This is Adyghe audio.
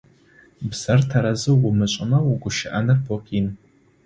Бзэр тэрэзэу умышӏэмэ угущыӏэныр бо къин.